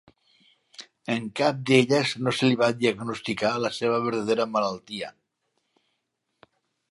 En cap d'elles no se li va diagnosticar la seva verdadera malaltia.